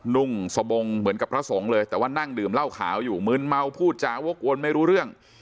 นุ่งสบงเหมือนกับพระสงฆ์เลยแต่ว่านั่งดื่มเหล้าขาวอยู่มืนเมาพูดจาวกวนไม่รู้เรื่อง